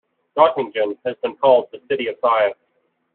Göttingen has been called "the city of science".